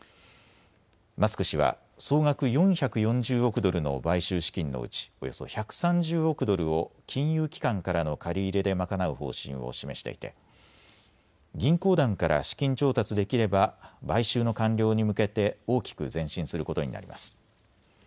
マスク氏は総額４４０億ドルの買収資金のうち、およそ１３０億ドルを金融機関からの借り入れで賄う方針を示していて銀行団から資金調達できれば買収の完了に向けて大きく前進することになります。